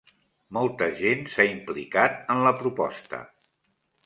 Molta gent s'ha implicat en la proposta.